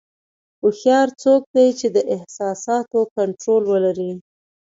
هوښیار څوک دی چې د احساساتو کنټرول ولري.